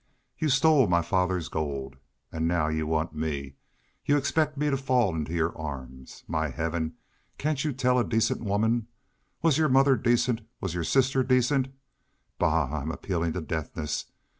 Y'u stole my father's gold.... An' now y'u want me y'u expect me to fall into your arms.... My Heaven! cain't y'u tell a decent woman? Was your mother decent? Was your sister decent? ... Bah! I'm appealing to deafness.